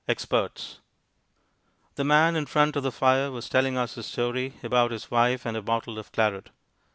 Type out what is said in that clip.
Experts The man in front of the fire was telling us a story about his wife and a bottle of claret.